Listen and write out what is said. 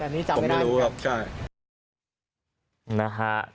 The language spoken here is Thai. แต่นี่จำไม่ได้ผมไม่รู้ครับใช่